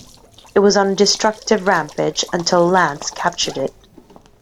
It was on a destructive rampage until Lance captured it.